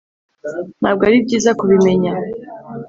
ntabwo ari byiza kubimenya